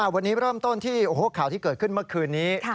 วันนี้เริ่มต้นที่ข่าวที่เกิดขึ้นเมื่อคืนนี้